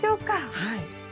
はい。